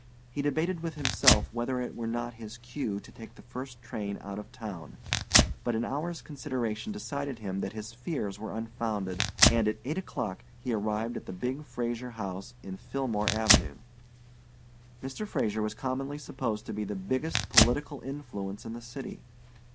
He debated with himself whether it were not his cue to take the first train out of town. But an hour's consideration decided him that his fears were unfounded and at eight o'clock he arrived at the big Fraser house in Philmore Avenue. Mr. Fraser was commonly supposed to be the biggest political influence in the city.